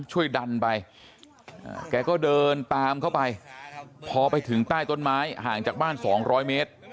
ช่วยดันไปแกก็เดินตามเข้าไปพอไปถึงใต้ต้นไม้ห่างจากบ้าน๒๐๐เมตร